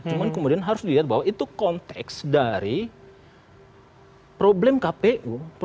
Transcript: cuma kemudian harus dilihat bahwa itu konteks dari problem kpu